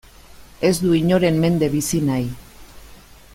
Ez du inoren mende bizi nahi.